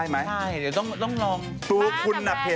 แม่รู้แล้วเหรอ